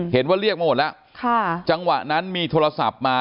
เรียกว่าเรียกมาหมดแล้วจังหวะนั้นมีโทรศัพท์มา